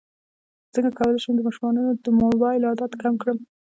څنګه کولی شم د ماشومانو د موبایل عادت کم کړم